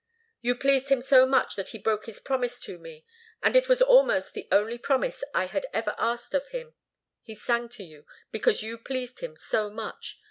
"You pleased him so much that he broke his promise to me, and it was almost the only promise I had ever asked of him. He sang to you, because you pleased him so much.